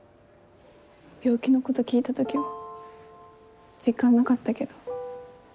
病気のこと聞いた時は実感なかったけど。